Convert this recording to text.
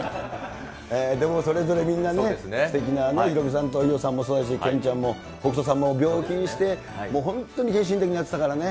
でもそれぞれみんなね、すてきな、ヒロミさんと伊代さんもそうだし、健ちゃんも北斗さんも病気して、本当に献身的にやってたからね。